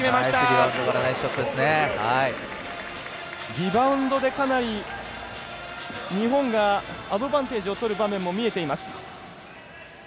リバウンドでかなり日本がアドバンテージをとる場面見えています。